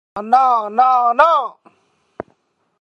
না, না, না, না।